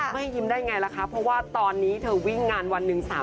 ไม่ยิ้มได้ไงล่ะคะเพราะว่าตอนนี้เธอวิ่งงานวันหนึ่ง